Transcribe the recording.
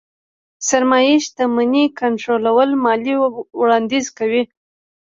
سرمايې شتمنۍ کنټرول ماليې وړانديز کوي.